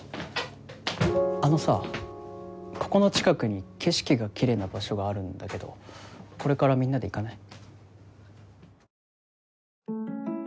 あのさここの近くに景色がキレイな場所があるんだけどこれからみんなで行かない？